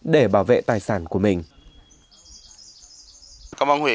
để bảo vệ tài sản của mình